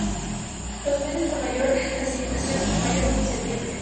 Los meses con mayor precipitación son mayo, junio y septiembre.